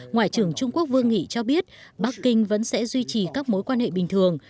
ngoại trưởng trung quốc vương nghị cho biết bắc kinh vẫn sẽ duy trì các mối quan hệ bình thường